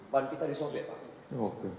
ban kita disobek pak